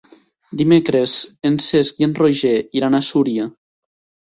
Dimecres en Cesc i en Roger iran a Súria.